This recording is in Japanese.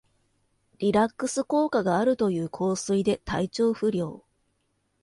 リラックス効果があるという香水で体調不良